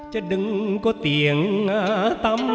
chứ đừng có tiếng tâm